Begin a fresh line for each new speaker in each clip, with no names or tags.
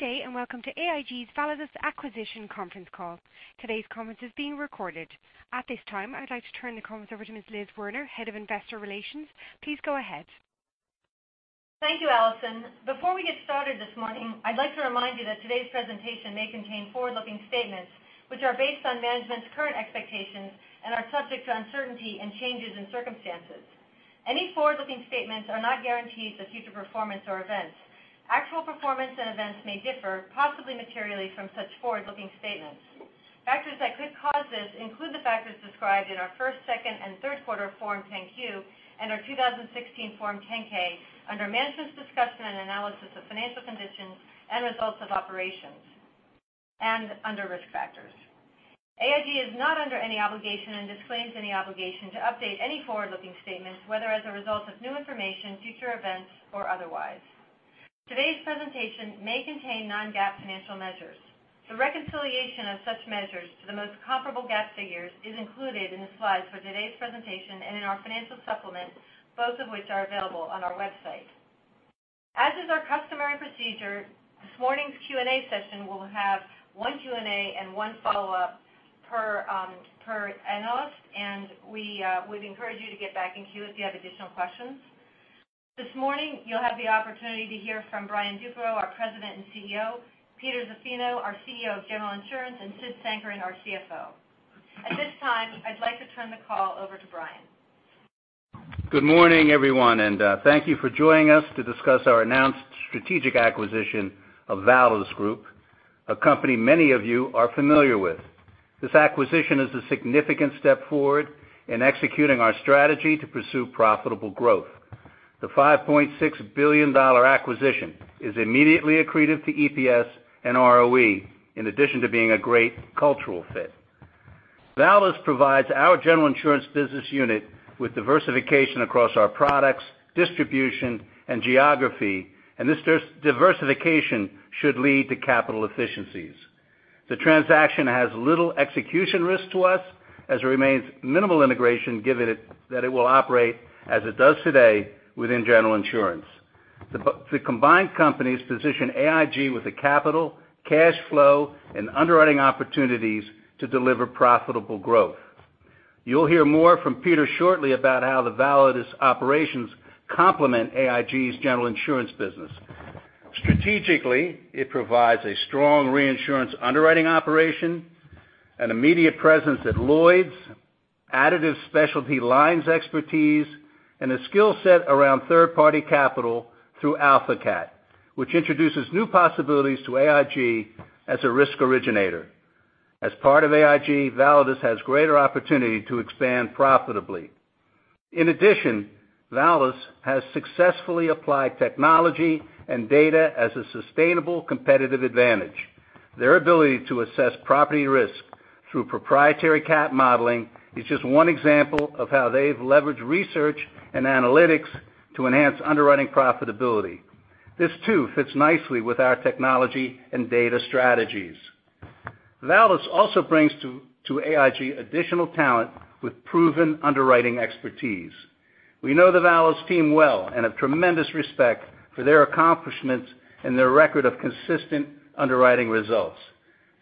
Good day, welcome to AIG's Validus Acquisition Conference Call. Today's conference is being recorded. At this time, I'd like to turn the conference over to Ms. Elizabeth Werner, Head of Investor Relations. Please go ahead.
Thank you, Alison. Before we get started this morning, I'd like to remind you that today's presentation may contain forward-looking statements, which are based on management's current expectations and are subject to uncertainty and changes in circumstances. Any forward-looking statements are not guarantees of future performance or events. Actual performance and events may differ, possibly materially from such forward-looking statements. Factors that could cause this include the factors described in our first, second, and third quarter Form 10-Q, and our 2016 Form 10-K under Management's Discussion and Analysis of Financial Conditions and Results of Operations, and under Risk Factors. AIG is not under any obligation and disclaims any obligation to update any forward-looking statements, whether as a result of new information, future events, or otherwise. Today's presentation may contain non-GAAP financial measures. The reconciliation of such measures to the most comparable GAAP figures is included in the slides for today's presentation and in our financial supplement, both of which are available on our website. As is our customary procedure, this morning's Q&A session will have one Q&A and one follow-up per analyst, we'd encourage you to get back in queue if you have additional questions. This morning, you'll have the opportunity to hear from Brian Duperreault, our President and CEO, Peter Zaffino, our CEO of General Insurance, and Sid Sankaran, our CFO. At this time, I'd like to turn the call over to Brian.
Good morning, everyone, thank you for joining us to discuss our announced strategic acquisition of Validus Group, a company many of you are familiar with. This acquisition is a significant step forward in executing our strategy to pursue profitable growth. The $5.6 billion acquisition is immediately accretive to EPS and ROE, in addition to being a great cultural fit. Validus provides our General Insurance business unit with diversification across our products, distribution, and geography, this diversification should lead to capital efficiencies. The transaction has little execution risk to us, as it remains minimal integration, given that it will operate as it does today within General Insurance. The combined companies position AIG with the capital, cash flow, and underwriting opportunities to deliver profitable growth. You'll hear more from Peter shortly about how the Validus operations complement AIG's General Insurance business. Strategically, it provides a strong reinsurance underwriting operation, an immediate presence at Lloyd's, additive specialty lines expertise, and a skill set around third-party capital through AlphaCat, which introduces new possibilities to AIG as a risk originator. As part of AIG, Validus has greater opportunity to expand profitably. In addition, Validus has successfully applied technology and data as a sustainable competitive advantage. Their ability to assess property risk through proprietary cat modeling is just one example of how they've leveraged research and analytics to enhance underwriting profitability. This too fits nicely with our technology and data strategies. Validus also brings to AIG additional talent with proven underwriting expertise. We know the Validus team well and have tremendous respect for their accomplishments and their record of consistent underwriting results.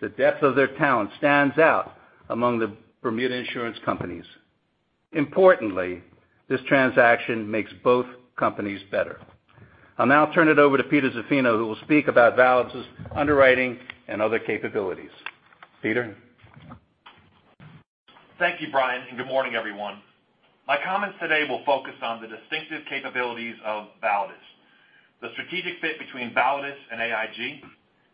The depth of their talent stands out among the Bermuda insurance companies. Importantly, this transaction makes both companies better. I'll now turn it over to Peter Zaffino, who will speak about Validus' underwriting and other capabilities. Peter?
Thank you, Brian, and good morning, everyone. My comments today will focus on the distinctive capabilities of Validus, the strategic fit between Validus and AIG,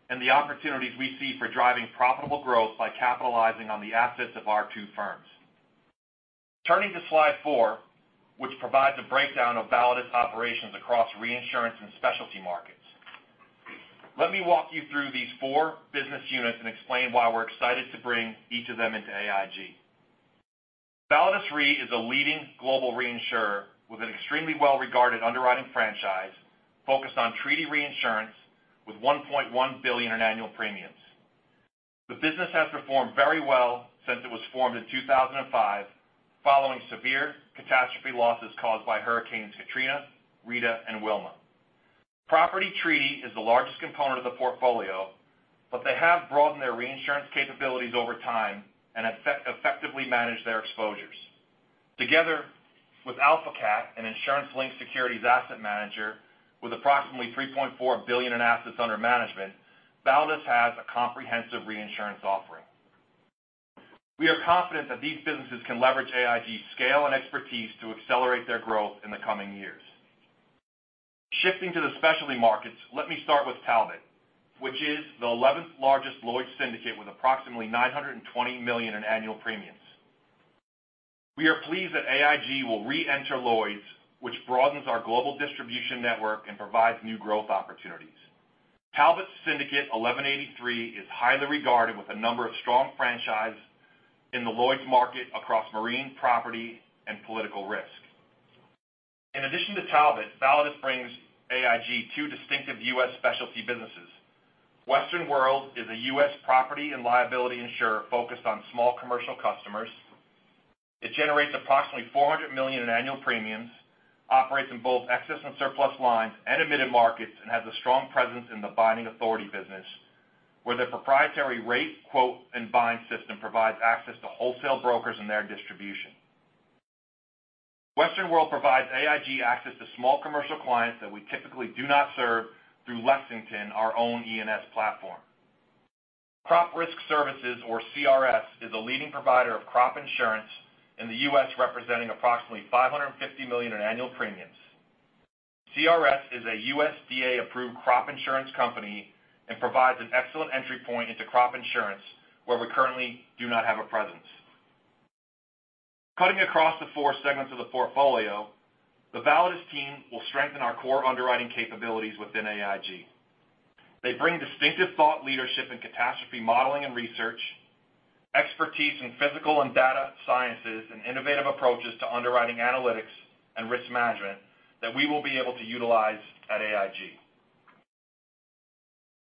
and the opportunities we see for driving profitable growth by capitalizing on the assets of our two firms. Turning to slide four, which provides a breakdown of Validus operations across reinsurance and specialty markets. Let me walk you through these four business units and explain why we're excited to bring each of them into AIG. Validus Re is a leading global reinsurer with an extremely well-regarded underwriting franchise focused on treaty reinsurance with $1.1 billion in annual premiums. The business has performed very well since it was formed in 2005 following severe catastrophe losses caused by Hurricane Katrina, Hurricane Rita, and Hurricane Wilma. Property treaty is the largest component of the portfolio, but they have broadened their reinsurance capabilities over time and effectively managed their exposures. Together with AlphaCat, an insurance-linked securities asset manager with approximately $3.4 billion in assets under management, Validus has a comprehensive reinsurance offering. We are confident that these businesses can leverage AIG's scale and expertise to accelerate their growth in the coming years. Shifting to the specialty markets, let me start with Talbot, which is the 11th largest Lloyd's syndicate with approximately $920 million in annual premiums. We are pleased that AIG will reenter Lloyd's, which broadens our global distribution network and provides new growth opportunities. Talbot's Syndicate 1183 is highly regarded with a number of strong franchises in the Lloyd's market across marine, property, and political risk. In addition to Talbot, Validus brings AIG two distinctive U.S. specialty businesses. Western World is a U.S. property and liability insurer focused on small commercial customers. It generates approximately $400 million in annual premiums, operates in both excess and surplus lines and admitted markets, and has a strong presence in the binding authority business, where their proprietary rate, quote, and bind system provides access to wholesale brokers and their distribution. Western World provides AIG access to small commercial clients that we typically do not serve through Lexington, our own E&S platform. Crop Risk Services, or CRS, is a leading provider of crop insurance in the U.S., representing approximately $550 million in annual premiums. CRS is a USDA-approved crop insurance company and provides an excellent entry point into crop insurance, where we currently do not have a presence. Cutting across the four segments of the portfolio, the Validus team will strengthen our core underwriting capabilities within AIG. They bring distinctive thought leadership in catastrophe modeling and research, expertise in physical and data sciences, and innovative approaches to underwriting analytics and risk management that we will be able to utilize at AIG.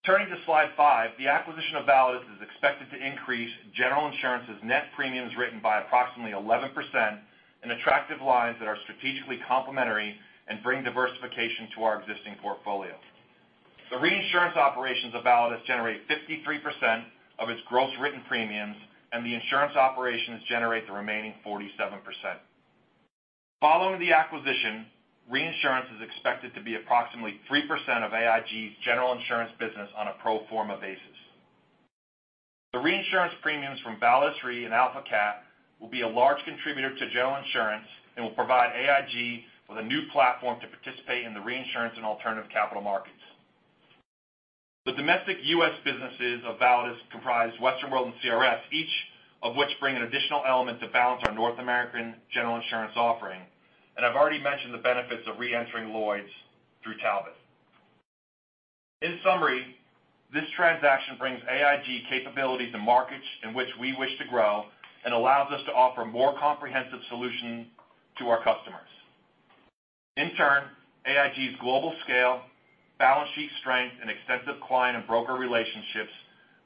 Turning to slide five, the acquisition of Validus is expected to increase General Insurance's net premiums written by approximately 11%, in attractive lines that are strategically complementary and bring diversification to our existing portfolio. The reinsurance operations of Validus generate 53% of its gross written premiums, and the insurance operations generate the remaining 47%. Following the acquisition, reinsurance is expected to be approximately 3% of AIG's General Insurance business on a pro forma basis. The reinsurance premiums from Validus Re and AlphaCat will be a large contributor to General Insurance and will provide AIG with a new platform to participate in the reinsurance and alternative capital markets. The domestic U.S. businesses of Validus comprise Western World and CRS, each of which bring an additional element to balance our North American General Insurance offering, and I've already mentioned the benefits of re-entering Lloyd's through Talbot. In summary, this transaction brings AIG capabilities to markets in which we wish to grow and allows us to offer more comprehensive solution to our customers. In turn, AIG's global scale, balance sheet strength, and extensive client and broker relationships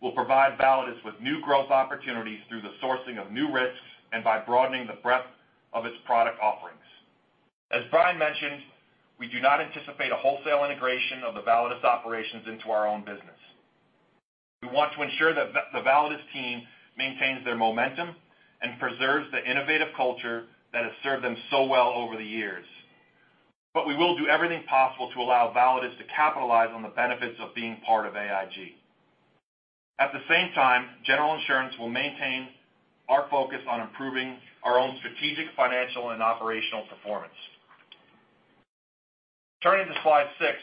will provide Validus with new growth opportunities through the sourcing of new risks and by broadening the breadth of its product offerings. As Brian mentioned, we do not anticipate a wholesale integration of the Validus operations into our own business. We want to ensure that the Validus team maintains their momentum and preserves the innovative culture that has served them so well over the years. We will do everything possible to allow Validus to capitalize on the benefits of being part of AIG. At the same time, General Insurance will maintain our focus on improving our own strategic financial and operational performance. Turning to slide six,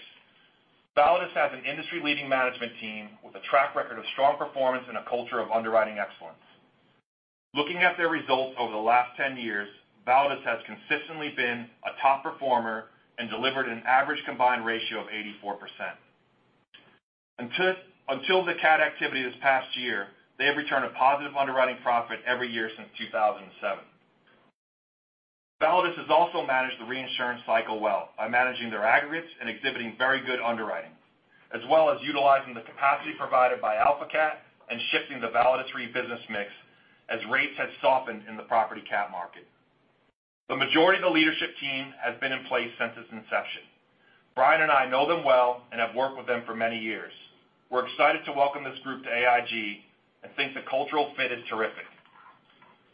Validus has an industry-leading management team with a track record of strong performance and a culture of underwriting excellence. Looking at their results over the last 10 years, Validus has consistently been a top performer and delivered an average combined ratio of 84%. Until the cat activity this past year, they have returned a positive underwriting profit every year since 2007. Validus has also managed the reinsurance cycle well by managing their aggregates and exhibiting very good underwriting, as well as utilizing the capacity provided by AlphaCat and shifting the Validus Re business mix as rates have softened in the property cat market. The majority of the leadership team has been in place since its inception. Brian and I know them well and have worked with them for many years. We're excited to welcome this group to AIG and think the cultural fit is terrific.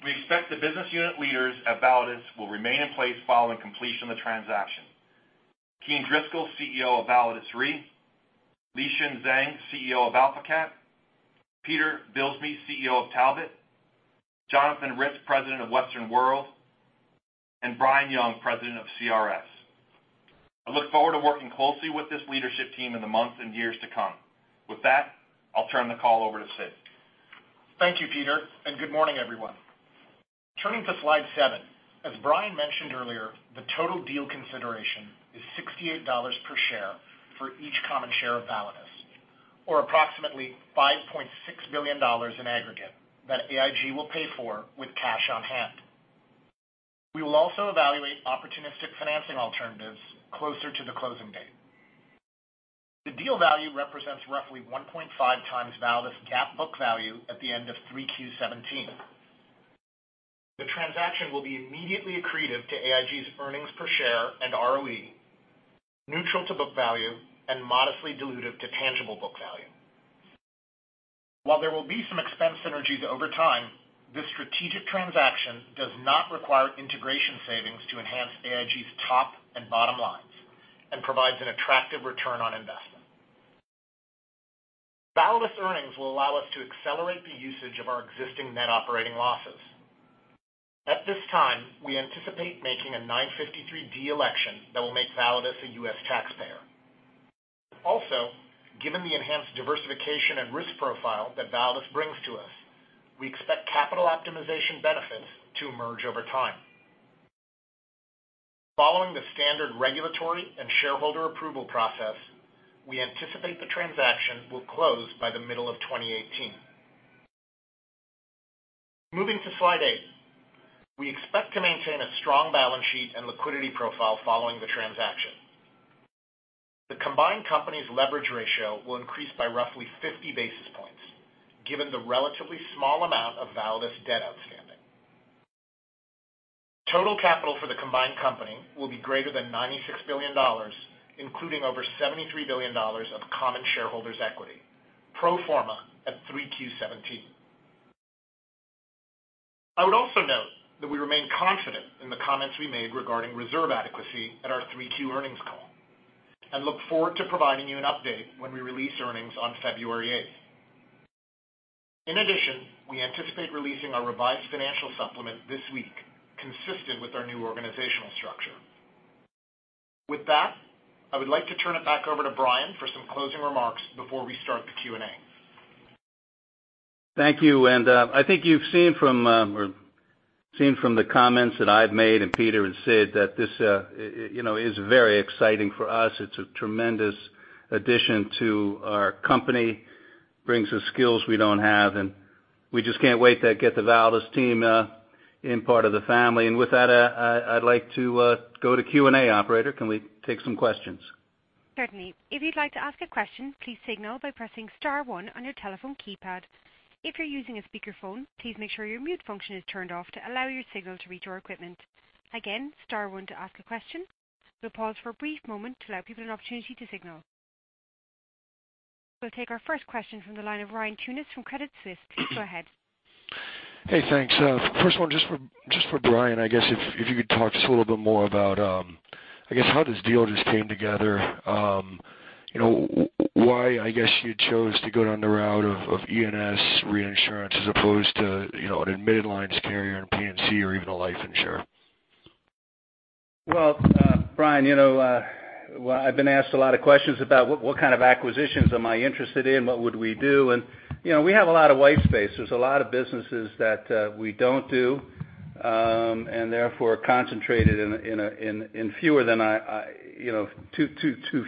We expect the business unit leaders at Validus will remain in place following completion of the transaction. Kean Driscoll, CEO of Validus Re, Lixin Zeng, CEO of AlphaCat, Peter Bilsby, CEO of Talbot, Jonathan Ritz, President of Western World, and Brian Young, President of CRS. I look forward to working closely with this leadership team in the months and years to come. With that, I'll turn the call over to Sid.
Thank you, Peter, and good morning, everyone. Turning to slide seven, as Brian mentioned earlier, the total deal consideration is $68 per share for each common share of Validus, or approximately $5.6 billion in aggregate that AIG will pay for with cash on hand. We will also evaluate opportunistic financing alternatives closer to the closing date. The deal value represents roughly 1.5x Validus' GAAP book value at the end of 3Q17. The transaction will be immediately accretive to AIG's earnings per share and ROE, neutral to book value, and modestly dilutive to tangible book value. While there will be some expense synergies over time, this strategic transaction does not require integration savings to enhance AIG's top and bottom lines and provides an attractive ROI. Validus earnings will allow us to accelerate the usage of our existing net operating losses. At this time, we anticipate making a 953 election that will make Validus a U.S. taxpayer. Also, given the enhanced diversification and risk profile that Validus brings to us, we expect capital optimization benefits to emerge over time. Following the standard regulatory and shareholder approval process, we anticipate the transaction will close by the middle of 2018. Moving to slide eight. We expect to maintain a strong balance sheet and liquidity profile following the transaction. The combined company's leverage ratio will increase by roughly 50 basis points, given the relatively small amount of Validus debt outstanding. Total capital for the combined company will be greater than $96 billion, including over $73 billion of common shareholders' equity, pro forma at 3Q17. I would also note that we remain confident in the comments we made regarding reserve adequacy at our 3Q earnings call and look forward to providing you an update when we release earnings on February 8th. In addition, we anticipate releasing our revised financial supplement this week consistent with our new organizational structure. With that, I would like to turn it back over to Brian for some closing remarks before we start the Q&A.
Thank you. I think you've seen from the comments that I've made and Peter and Sid that this is very exciting for us. It's a tremendous addition to our company, brings the skills we don't have, and we just can't wait to get the Validus team in part of the family. With that, I'd like to go to Q&A. Operator, can we take some questions?
Certainly. If you'd like to ask a question, please signal by pressing star one on your telephone keypad. If you're using a speakerphone, please make sure your mute function is turned off to allow your signal to reach our equipment. Again, star one to ask a question. We'll pause for a brief moment to allow people an opportunity to signal. We'll take our first question from the line of Ryan Tunis from Credit Suisse. Please go ahead.
Hey, thanks. First one, just for Brian. If you could talk just a little bit more about how this deal just came together. Why you chose to go down the route of E&S reinsurance as opposed to an admitted lines carrier, a P&C, or even a life insurer.
Brian, I've been asked a lot of questions about what kind of acquisitions am I interested in, what would we do, we have a lot of white space. There's a lot of businesses that we don't do, therefore are concentrated in too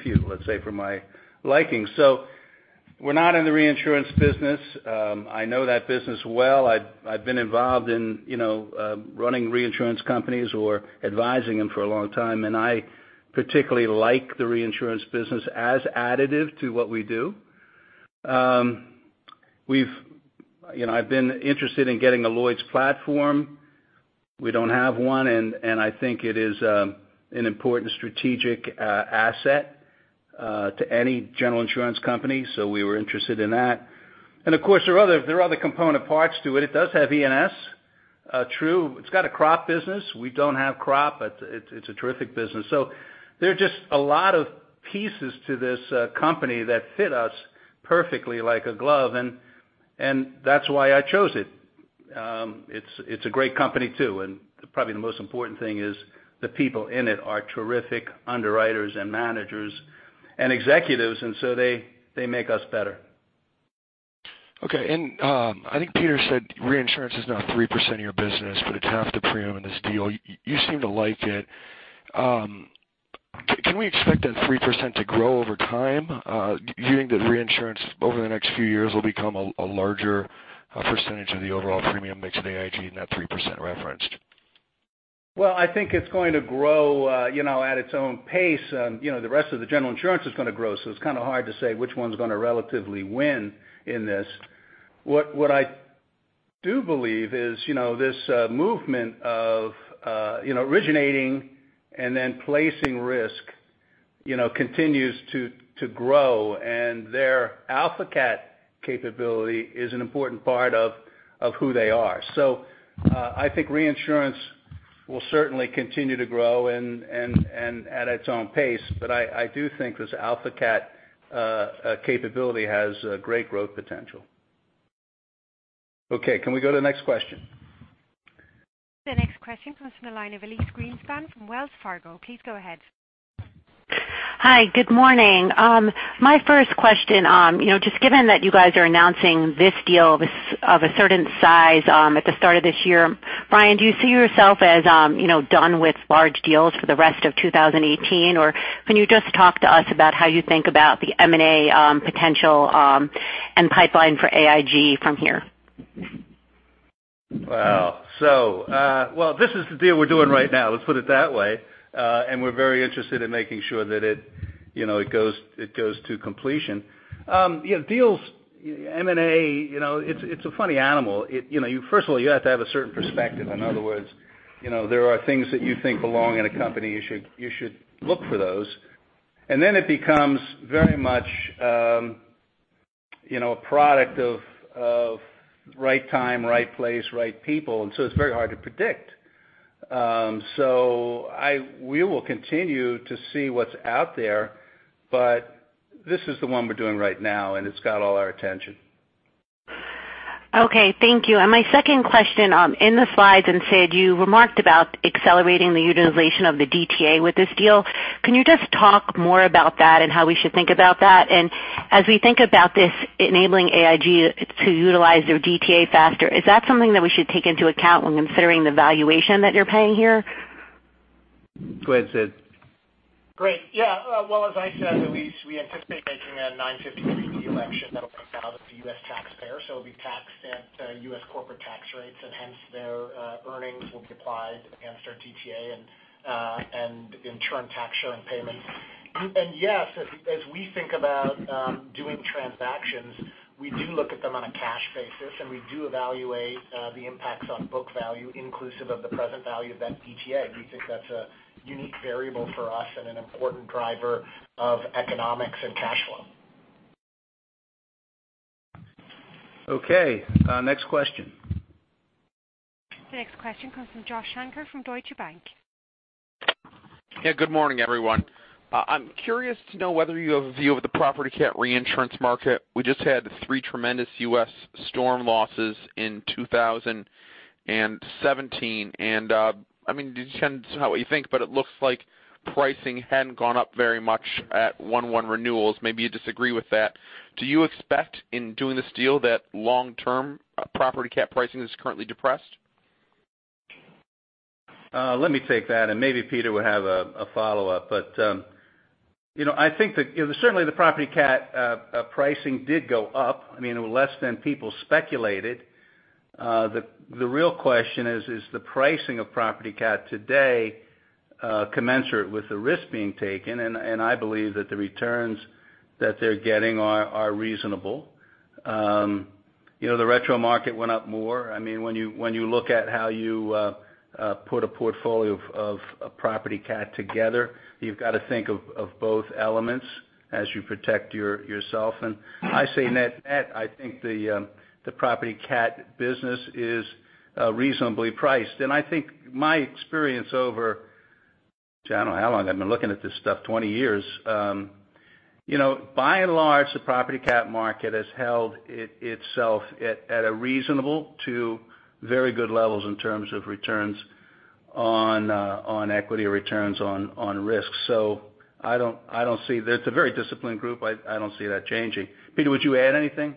few, let's say, for my liking. We're not in the reinsurance business. I know that business well. I've been involved in running reinsurance companies or advising them for a long time, I particularly like the reinsurance business as additive to what we do. I've been interested in getting a Lloyd's platform. We don't have one, I think it is an important strategic asset to any general insurance company, so we were interested in that. Of course, there are other component parts to it. It does have E&S, true. It's got a crop business. We don't have crop, but it's a terrific business. There are just a lot of pieces to this company that fit us perfectly like a glove, and that's why I chose it. It's a great company too, and probably the most important thing is the people in it are terrific underwriters and managers and executives, they make us better.
Okay. I think Peter said reinsurance is now 3% of your business, but it's half the premium in this deal. You seem to like it. Can we expect that 3% to grow over time? Do you think that reinsurance over the next few years will become a larger percentage of the overall premium mix of AIG in that 3% referenced?
Well, I think it's going to grow at its own pace. The rest of the General Insurance is going to grow, it's kind of hard to say which one's going to relatively win in this. What I do believe is this movement of originating and then placing risk continues to grow, and their AlphaCat capability is an important part of who they are. I think reinsurance will certainly continue to grow and at its own pace, but I do think this AlphaCat capability has great growth potential. Okay, can we go to the next question?
The next question comes from the line of Elyse Greenspan from Wells Fargo. Please go ahead.
Hi. Good morning. My first question, just given that you guys are announcing this deal of a certain size at the start of this year, Brian, do you see yourself as done with large deals for the rest of 2018? Or can you just talk to us about how you think about the M&A potential and pipeline for AIG from here?
Wow. Well this is the deal we're doing right now, let's put it that way. We're very interested in making sure that it goes to completion. Deals, M&A, it's a funny animal. First of all, you have to have a certain perspective. In other words, there are things that you think belong in a company, you should look for those. It becomes very much a product of right time, right place, right people, it's very hard to predict. We will continue to see what's out there, but this is the one we're doing right now and it's got all our attention.
Okay. Thank you. My second question, in the slides and Sid you remarked about accelerating the utilization of the DTA with this deal. Can you just talk more about that and how we should think about that? As we think about this enabling AIG to utilize their DTA faster, is that something that we should take into account when considering the valuation that you're paying here?
Go ahead, Sid.
Great. Yeah. Well, as I said, Elyse, we anticipate making a 953 election to U.S. taxpayer, so it'll be taxed at U.S. corporate tax rates, and hence their earnings will be applied against our DTA and in turn, tax sharing payments. Yes, as we think about doing transactions, we do look at them on a cash basis, and we do evaluate the impacts on book value inclusive of the present value of that DTA. We think that's a unique variable for us and an important driver of economics and cash flow.
Okay, next question.
The next question comes from Josh Shanker from Deutsche Bank.
Yeah, good morning, everyone. I'm curious to know whether you have a view of the property/cat reinsurance market. We just had three tremendous U.S. storm losses in 2017, and it depends on what you think, but it looks like pricing hadn't gone up very much at 1/1 renewals. Maybe you disagree with that. Do you expect in doing this deal that long-term property/cat pricing is currently depressed?
Let me take that, maybe Peter would have a follow-up. I think that certainly the property/cat pricing did go up. It was less than people speculated. The real question is the pricing of property/cat today commensurate with the risk being taken? I believe that the returns that they're getting are reasonable. The retro market went up more. When you look at how you put a portfolio of property/cat together, you've got to think of both elements as you protect yourself. I say net net, I think the property/cat business is reasonably priced. I think my experience over, gee, I don't know how long I've been looking at this stuff, 20 years. By and large, the property/cat market has held itself at a reasonable to very good levels in terms of returns on equity or returns on risk. I don't see it's a very disciplined group. I don't see that changing. Peter, would you add anything?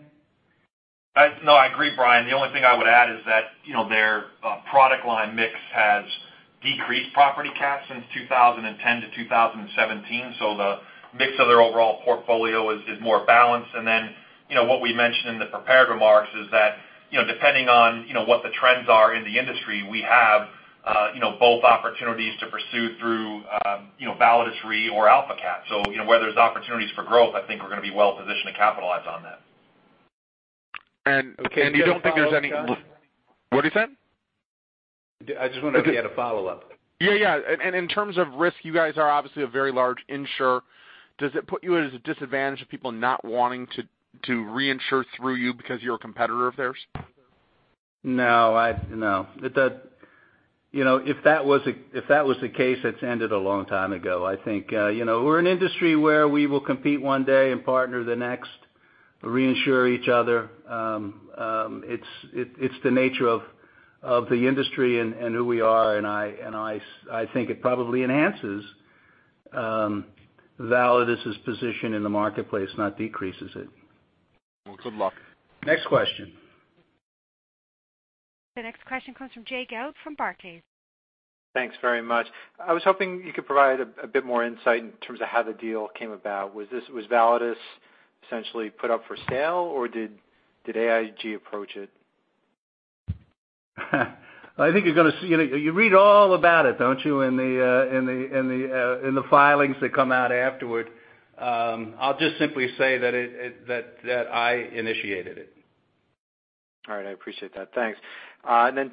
No, I agree, Brian. The only thing I would add is that their product line mix has decreased property/cat since 2010 to 2017. The mix of their overall portfolio is more balanced. What we mentioned in the prepared remarks is that, depending on what the trends are in the industry, we have both opportunities to pursue through Validus Re or AlphaCat. Where there's opportunities for growth, I think we're going to be well-positioned to capitalize on that.
You don't think there's any-
Okay. Do you have a follow-up, Josh?
What did you say?
I just wondered if you had a follow-up.
Yeah. In terms of risk, you guys are obviously a very large insurer. Does it put you at a disadvantage of people not wanting to reinsure through you because you're a competitor of theirs?
No. If that was the case, it's ended a long time ago. I think we're an industry where we will compete one day and partner the next, reinsure each other. It's the nature of the industry and who we are, and I think it probably enhances Validus' position in the marketplace, not decreases it.
Well, good luck.
Next question.
The next question comes from Jay Gelb from Barclays.
Thanks very much. I was hoping you could provide a bit more insight in terms of how the deal came about. Was Validus essentially put up for sale, or did AIG approach it?
I think you read all about it, don't you, in the filings that come out afterward? I'll just simply say that I initiated it.
All right. I appreciate that. Thanks.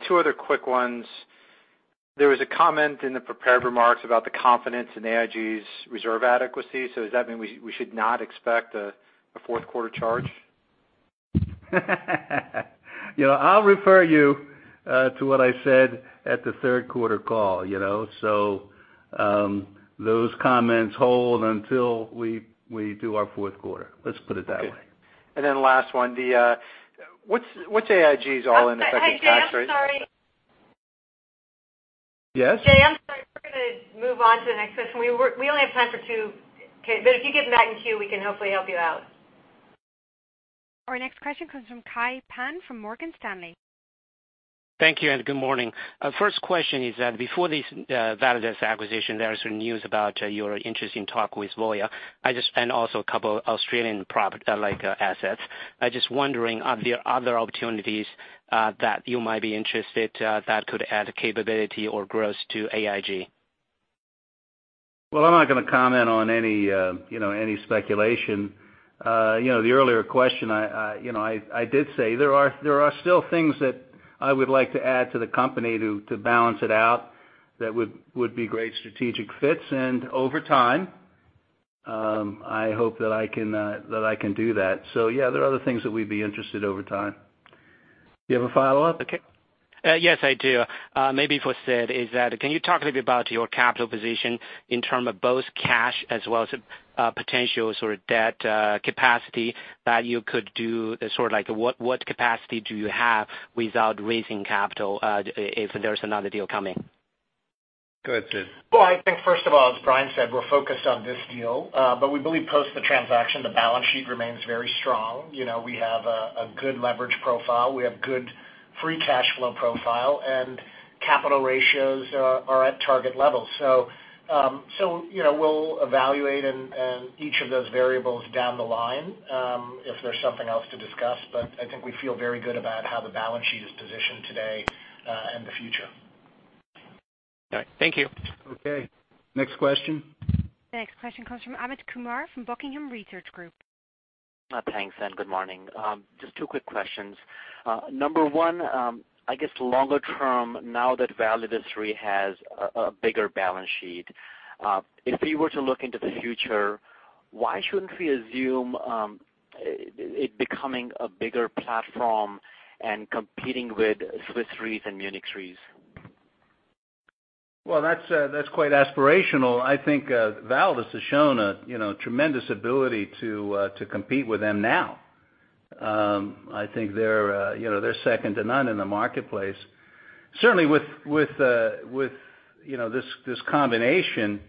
Two other quick ones. There was a comment in the prepared remarks about the confidence in AIG's reserve adequacy. Does that mean we should not expect a fourth quarter charge?
I'll refer you to what I said at the third quarter call. Those comments hold until we do our fourth quarter, let's put it that way.
Okay. Last one, what's AIG's all-in effective tax rate?
Hey, Jay, I'm sorry.
Yes?
Jay, I'm sorry. We're going to move on to the next question. We only have time for two. If you get back in queue, we can hopefully help you out.
Our next question comes from Kai Pan from Morgan Stanley.
Thank you, and good morning. First question is that before this Validus acquisition, there is news about your interesting talk with Voya and also a couple Australian product-like assets. I'm just wondering, are there other opportunities that you might be interested that could add capability or growth to AIG?
Well, I'm not going to comment on any speculation. The earlier question, I did say there are still things that I would like to add to the company to balance it out that would be great strategic fits. Over time, I hope that I can do that. Yeah, there are other things that we'd be interested over time. Do you have a follow-up?
Okay. Yes, I do. Maybe for Sid, can you talk a little bit about your capital position in terms of both cash as well as potential sort of debt capacity that you could do? What capacity do you have without raising capital if there's another deal coming?
Go ahead, Sid.
I think first of all, as Brian said, we're focused on this deal. We believe post the transaction, the balance sheet remains very strong. We have a good leverage profile. We have good free cash flow profile and capital ratios are at target levels. We'll evaluate each of those variables down the line, if there's something else to discuss. I think we feel very good about how the balance sheet is positioned today, and the future.
All right. Thank you.
Okay. Next question.
Next question comes from Amit Kumar from Buckingham Research Group.
Thanks, good morning. Just two quick questions. Number one, I guess longer term now that Validus Re has a bigger balance sheet, if we were to look into the future, why shouldn't we assume it becoming a bigger platform and competing with Swiss Re's and Munich Re's?
Well, that's quite aspirational. I think Validus has shown a tremendous ability to compete with them now. I think they're second to none in the marketplace. Certainly with this combination,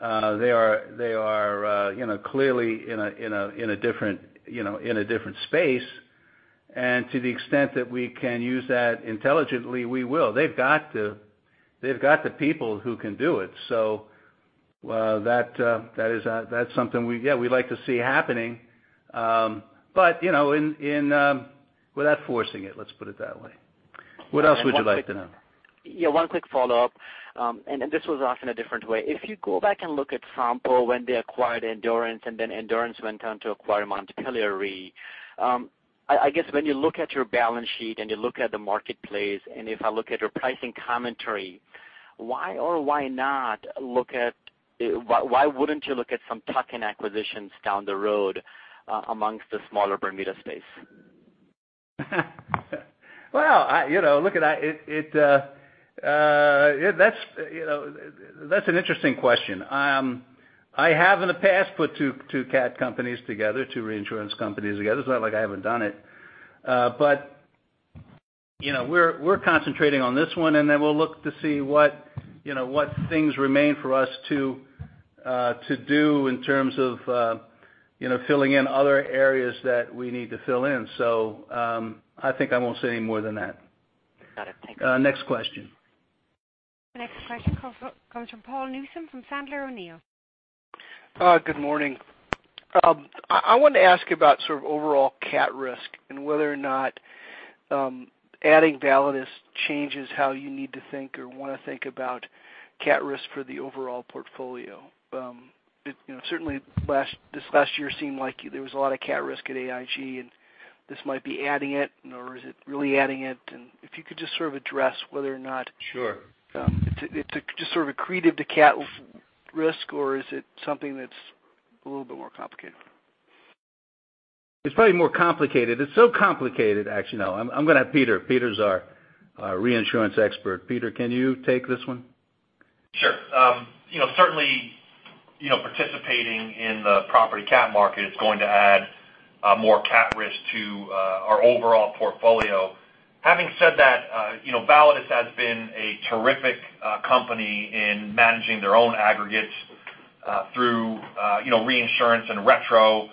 they are clearly in a different space. To the extent that we can use that intelligently, we will. They've got the people who can do it. That's something we'd like to see happening, but without forcing it, let's put it that way. What else would you like to know?
Yeah, one quick follow-up. This was asked in a different way. If you go back and look at Sompo when they acquired Endurance, then Endurance went on to acquire Montpelier Re. I guess when you look at your balance sheet and you look at the marketplace, and if I look at your pricing commentary, why or why not wouldn't you look at some tuck-in acquisitions down the road amongst the smaller Bermuda space?
Well, that's an interesting question. I have in the past put two cat companies together, two reinsurance companies together. It's not like I haven't done it. We're concentrating on this one, we'll look to see what things remain for us to do in terms of filling in other areas that we need to fill in. I think I won't say any more than that.
Got it. Thank you.
Next question.
The next question comes from Paul Newsome from Sandler O'Neill.
Good morning. I wanted to ask about sort of overall cat risk and whether or not adding Validus changes how you need to think or want to think about cat risk for the overall portfolio. Certainly this last year seemed like there was a lot of cat risk at AIG, and this might be adding it, or is it really adding it?
Sure
It's just sort of accretive to cat risk, or is it something that's a little bit more complicated?
It's probably more complicated. It's so complicated, actually. I'm going to have Peter. Peter's our reinsurance expert. Peter, can you take this one?
Sure. Certainly, participating in the property cat market is going to add more cat risk to our overall portfolio. Having said that, Validus has been a terrific company in managing their own aggregates through reinsurance and retro.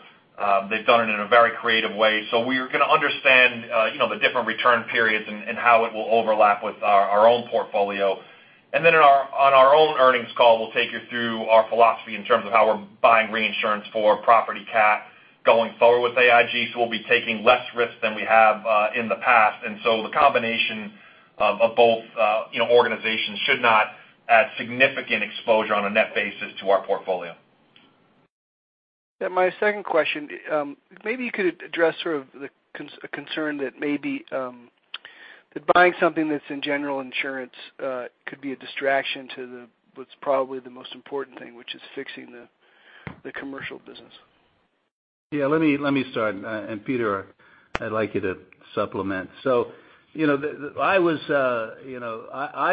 They've done it in a very creative way. We're going to understand the different return periods and how it will overlap with our own portfolio. Then on our own earnings call, we'll take you through our philosophy in terms of how we're buying reinsurance for property cat going forward with AIG. We'll be taking less risk than we have in the past. The combination of both organizations should not add significant exposure on a net basis to our portfolio.
Yeah, my second question. Maybe you could address sort of the concern that maybe that buying something that's in General Insurance could be a distraction to what's probably the most important thing, which is fixing the commercial business.
Yeah, let me start. Peter, I'd like you to supplement. I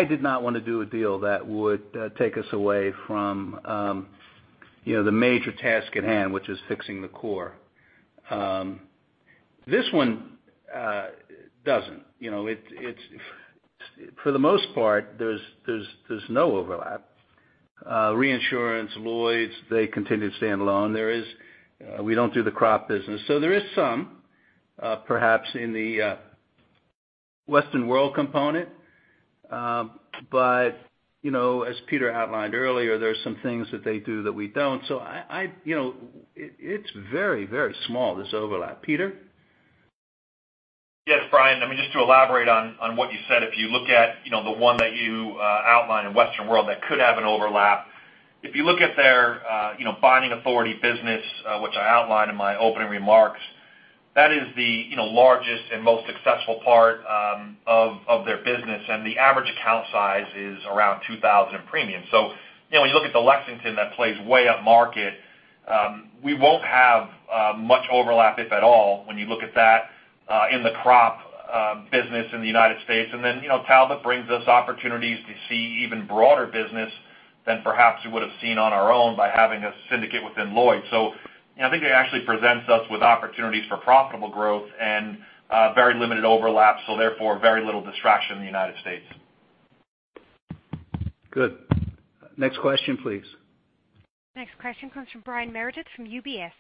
did not want to do a deal that would take us away from the major task at hand, which is fixing the core. This one doesn't. For the most part, there's no overlap. Reinsurance, Lloyd's, they continue to stand alone. We don't do the crop business. There is some, perhaps in the Western World component. As Peter outlined earlier, there's some things that they do that we don't. It's very small, this overlap. Peter?
Yes, Brian, just to elaborate on what you said, if you look at the one that you outlined in Western World that could have an overlap. If you look at their binding authority business, which I outlined in my opening remarks, that is the largest and most successful part of their business, and the average account size is around 2,000 in premiums. When you look at the Lexington that plays way up market, we won't have much overlap, if at all, when you look at that, in the crop business in the United States. Talbot brings us opportunities to see even broader business than perhaps we would have seen on our own by having a syndicate within Lloyd's. I think it actually presents us with opportunities for profitable growth and very limited overlap, therefore, very little distraction in the United States.
Good. Next question, please.
Next question comes from Brian Meredith from UBS.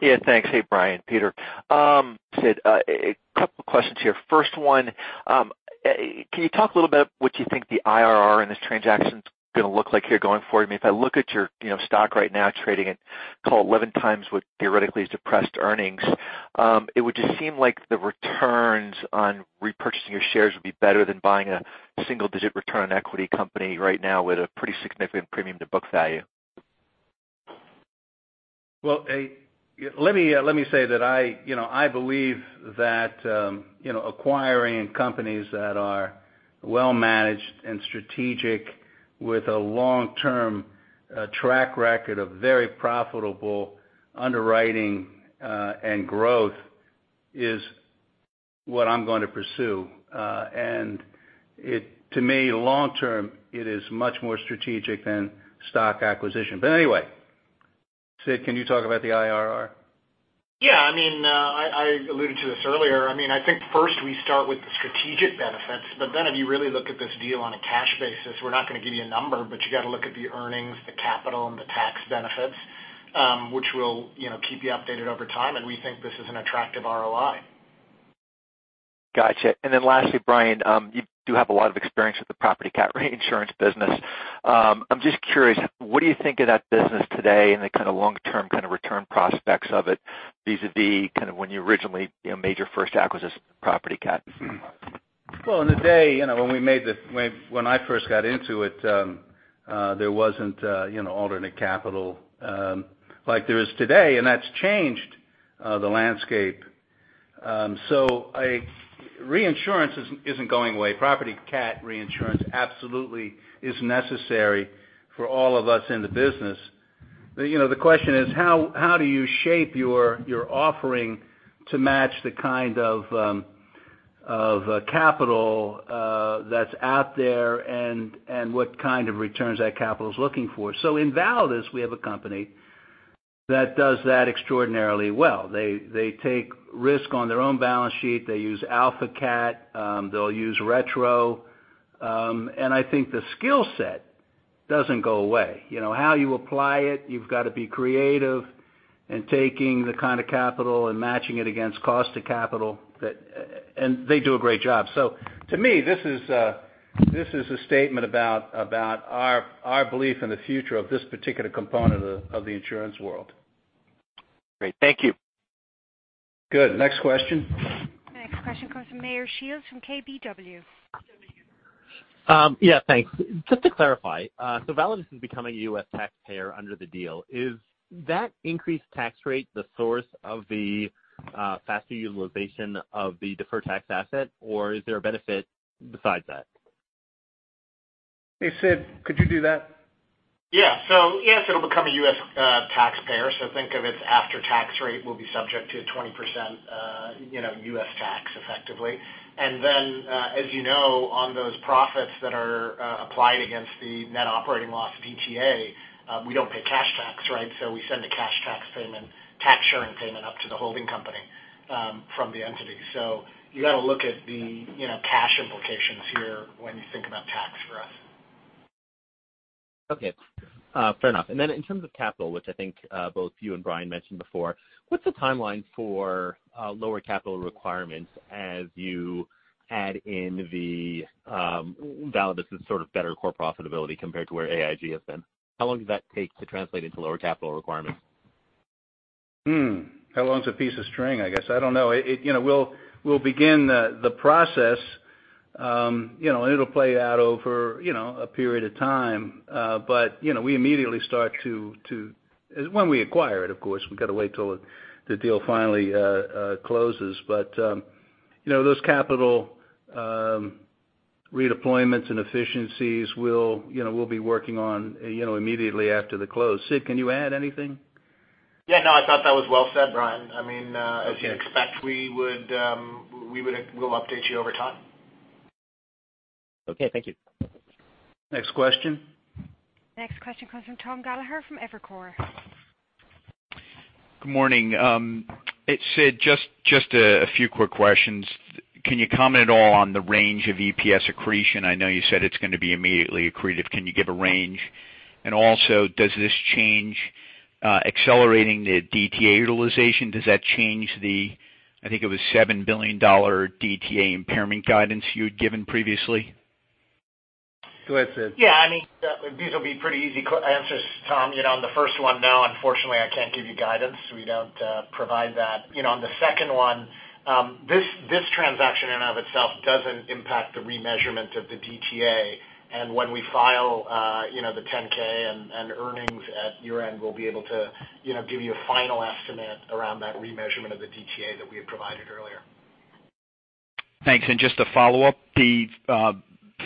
Yeah, thanks. Hey, Brian, Peter. Sid, a couple questions here. First one, can you talk a little bit what you think the IRR in this transaction's going to look like here going forward? If I look at your stock right now trading at 11 times what theoretically is depressed earnings, it would just seem like the returns on repurchasing your shares would be better than buying a single-digit return on equity company right now with a pretty significant premium to book value.
Well, let me say that I believe that acquiring companies that are well-managed and strategic with a long-term track record of very profitable underwriting and growth is what I'm going to pursue. To me, long-term, it is much more strategic than stock acquisition. Anyway, Sid, can you talk about the IRR?
Yeah. I alluded to this earlier. I think first we start with the strategic benefits, if you really look at this deal on a cash basis, we're not going to give you a number, you got to look at the earnings, the capital, and the tax benefits, which we'll keep you updated over time, we think this is an attractive ROI.
Got you. Lastly, Brian, you do have a lot of experience with the property cat reinsurance business. I'm just curious, what do you think of that business today and the kind of long-term kind of return prospects of it vis-a-vis kind of when you originally made your first acquisition of property cat?
In the day, when I first got into it, there wasn't alternate capital like there is today, and that's changed the landscape. Reinsurance isn't going away. Property cat reinsurance absolutely is necessary for all of us in the business. The question is how do you shape your offering to match the kind of capital that's out there and what kind of returns that capital's looking for. In Validus, we have a company that does that extraordinarily well. They take risk on their own balance sheet. They use AlphaCat. They'll use retro. I think the skill set doesn't go away. How you apply it, you've got to be creative in taking the kind of capital and matching it against cost of capital. They do a great job. To me, this is a statement about our belief in the future of this particular component of the insurance world.
Great. Thank you.
Good. Next question.
Next question comes from Meyer Shields from KBW.
Yeah, thanks. Just to clarify, Validus is becoming a U.S. taxpayer under the deal. Is that increased tax rate the source of the faster utilization of the deferred tax asset, or is there a benefit besides that?
Hey, Sid, could you do that?
Yeah. Yes, it'll become a U.S. taxpayer, so think of its after-tax rate will be subject to 20% U.S. tax effectively. As you know, on those profits that are applied against the net operating loss DTA, we don't pay cash tax, right? We send a cash tax payment, tax sharing payment up to the holding company from the entity. You got to look at the cash implications here when you think about tax for us.
Okay. Fair enough. In terms of capital, which I think both you and Brian mentioned before, what's the timeline for lower capital requirements as you add in the Validus' sort of better core profitability compared to where AIG has been? How long does that take to translate into lower capital requirements?
How long's a piece of string, I guess? I don't know. We'll begin the process. It'll play out over a period of time. We immediately start to, when we acquire it, of course, we've got to wait till the deal finally closes. Those capital redeployments and efficiencies we'll be working on immediately after the close. Sid, can you add anything?
Yeah. No, I thought that was well said, Brian. As you expect, we'll update you over time.
Okay, thank you.
Next question.
Next question comes from Tom Gallagher from Evercore.
Good morning. Sid, just a few quick questions. Can you comment at all on the range of EPS accretion? I know you said it's going to be immediately accretive. Can you give a range? Also, does this change accelerating the DTA utilization? Does that change the, I think it was $7 billion DTA impairment guidance you had given previously?
Go ahead, Sid.
Yeah. These will be pretty easy answers, Tom. On the first one, no, unfortunately, I can't give you guidance. We don't provide that. On the second one, this transaction in and of itself doesn't impact the remeasurement of the DTA, and when we file the 10-K and earnings at year end, we'll be able to give you a final estimate around that remeasurement of the DTA that we had provided earlier.
Thanks. Just to follow up, the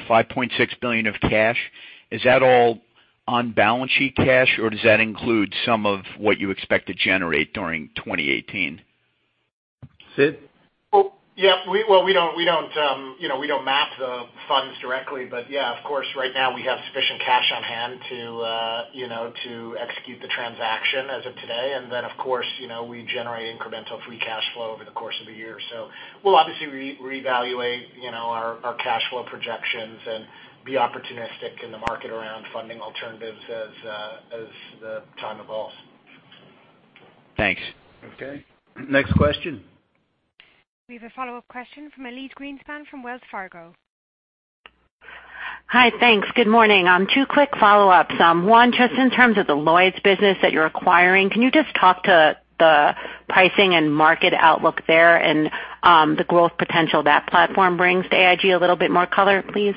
$5.6 billion of cash, is that all on-balance sheet cash, or does that include some of what you expect to generate during 2018?
Sid?
Yeah. We don't map the funds directly, but yeah, of course, right now we have sufficient cash on hand to execute the transaction as of today. Then, of course, we generate incremental free cash flow over the course of the year. We'll obviously reevaluate our cash flow projections and be opportunistic in the market around funding alternatives as the time evolves.
Thanks.
Okay. Next question.
We have a follow-up question from Elyse Greenspan from Wells Fargo.
Hi. Thanks. Good morning. Two quick follow-ups. One, just in terms of the Lloyd's business that you're acquiring, can you just talk to the pricing and market outlook there and the growth potential that platform brings to AIG a little bit more color, please?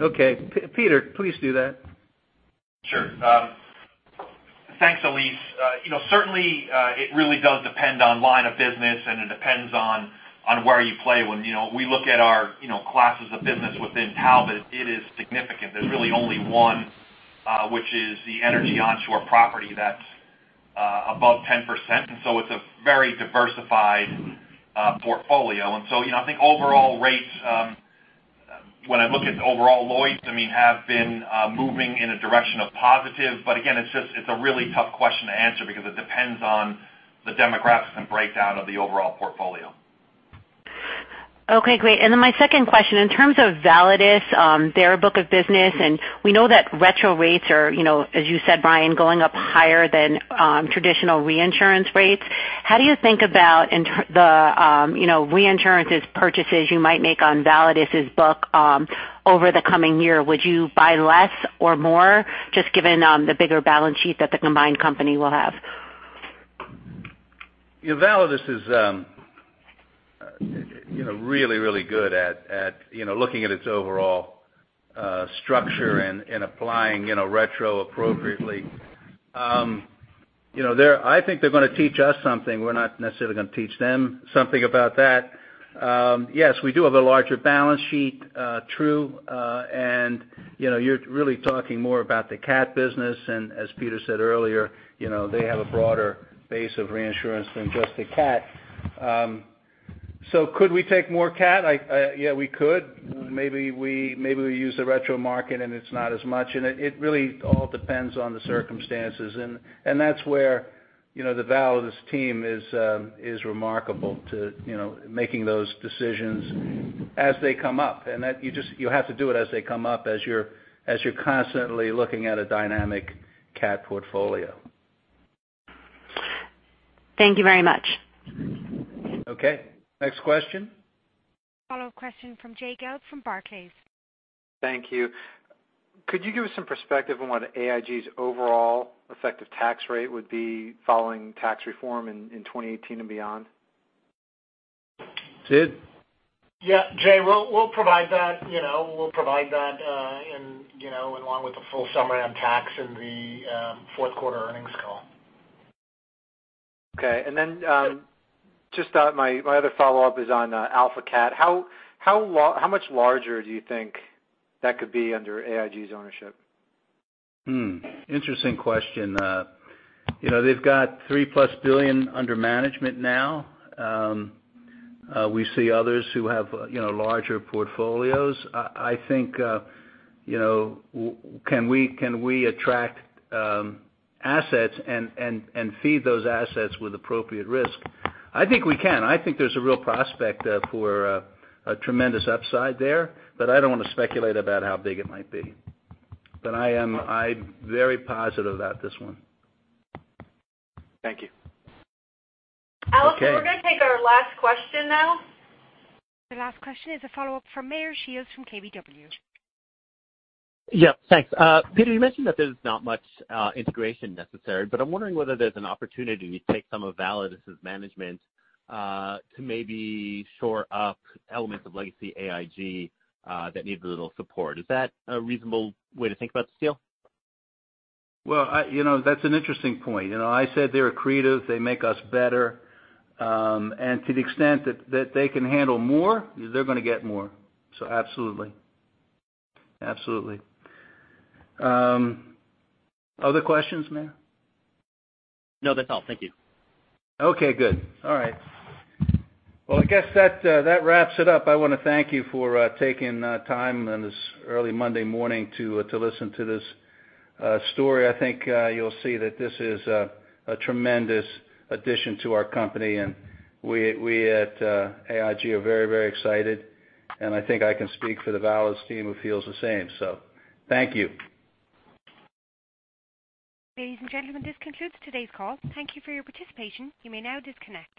Okay. Peter, please do that.
Sure. Thanks, Elyse. Certainly, it really does depend on line of business, and it depends on where you play. When we look at our classes of business within Talbot, it is significant. There's really only one, which is the energy onshore property that's above 10%. So it's a very diversified portfolio. So, I think overall rates, when I look at overall Lloyd's, have been moving in a direction of positive. Again, it's a really tough question to answer because it depends on the demographics and breakdown of the overall portfolio.
My second question, in terms of Validus, their book of business, and we know that retro rates are, as you said, Brian, going up higher than traditional reinsurance rates. How do you think about the reinsurance purchases you might make on Validus' book over the coming year? Would you buy less or more, just given the bigger balance sheet that the combined company will have?
Validus is really good at looking at its overall structure and applying retro appropriately. I think they're going to teach us something. We're not necessarily going to teach them something about that. Yes, we do have a larger balance sheet. True. You're really talking more about the cat business, and as Peter said earlier, they have a broader base of reinsurance than just the cat. Could we take more cat? Yeah, we could. Maybe we use the retro market, and it's not as much. It really all depends on the circumstances, and that's where the Validus team is remarkable to making those decisions as they come up, and you have to do it as they come up, as you're constantly looking at a dynamic cat portfolio.
Thank you very much.
Okay. Next question.
Follow-up question from Jay Gelb from Barclays.
Thank you. Could you give us some perspective on what AIG's overall effective tax rate would be following tax reform in 2018 and beyond?
Sid?
Yeah. Jay, we'll provide that along with the full summary on tax in the fourth quarter earnings call.
Okay. Just my other follow-up is on AlphaCat. How much larger do you think that could be under AIG's ownership?
Hmm. Interesting question. They've got $3-plus billion under management now. We see others who have larger portfolios. Can we attract assets and feed those assets with appropriate risk? I think we can. I think there's a real prospect for a tremendous upside there, I don't want to speculate about how big it might be. I'm very positive about this one.
Thank you.
Okay.
We're going to take our last question now. The last question is a follow-up from Meyer Shields from KBW.
Yeah, thanks. Peter, you mentioned that there's not much integration necessary, but I'm wondering whether there's an opportunity to take some of Validus' management to maybe shore up elements of legacy AIG that need a little support. Is that a reasonable way to think about this deal?
Well, that's an interesting point. I said they're creative, they make us better. To the extent that they can handle more, they're going to get more. Absolutely. Other questions, Meyer?
No, that's all. Thank you.
Okay, good. All right. Well, I guess that wraps it up. I want to thank you for taking time on this early Monday morning to listen to this story. I think you'll see that this is a tremendous addition to our company, and we at AIG are very excited, and I think I can speak for the Validus team who feels the same. Thank you.
Ladies and gentlemen, this concludes today's call. Thank you for your participation. You may now disconnect.